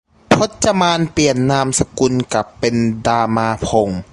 พจมานเปลี่ยนนามสกุลกลับเป็นดามาพงศ์